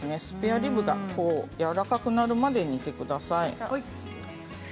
スペアリブがやわらかくなるまで煮てください。